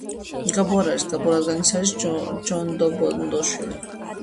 გაბო არ არის გაბო, რადგან ის არის ჯონდობონდოშვილი